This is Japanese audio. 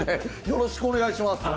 よろしくお願いします。